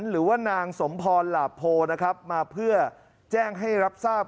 หรือว่านางสมพรหลาโพนะครับมาเพื่อแจ้งให้รับทราบ